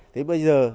thế bây giờ